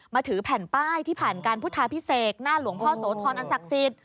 ถือแผ่นป้ายที่ผ่านการพุทธาพิเศษหน้าหลวงพ่อโสธรอันศักดิ์สิทธิ